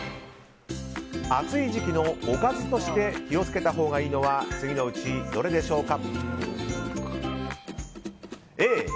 暑い時期のおかずとして気を付けたほうがいいのは次のうちどれでしょうか。